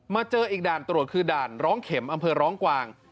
เจออีกด่านตรวจคือด่านร้องเข็มอำเภอร้องกวาง